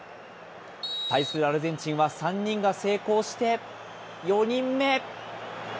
対するアルゼンチンは３人が成功して４人目。